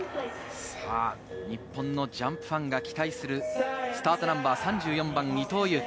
日本のジャンプファンが期待するスタートナンバー３４番・伊藤有希。